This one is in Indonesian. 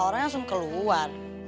orangnya langsung keluar